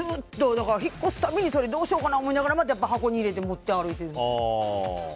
引っ越すたびにそれどうしようかなって思いながら箱に入れて、持って歩いてる。